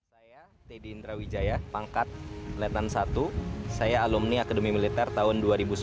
saya teddy indrawijaya pangkat letnan i saya alumni akademi militer tahun dua ribu sebelas